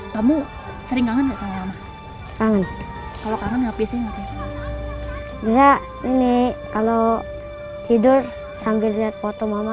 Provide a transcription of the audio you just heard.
kamu sering kangen sama sama kalau kangen ngapain ya ini kalau tidur sambil lihat foto mama